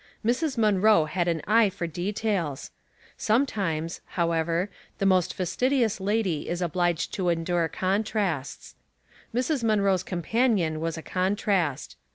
Mrs Munroe had an eye for details. Sometimes, how ever, tlie most fastidious lady is obliged to endure contrasts. Mrs. Mun roe's companion was a con trast.